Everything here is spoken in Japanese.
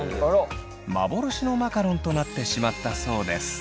幻のマカロンとなってしまったそうです。